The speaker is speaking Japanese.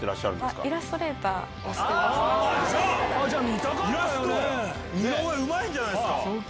似顔絵うまいんじゃないですか？